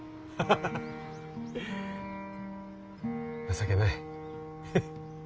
情けない。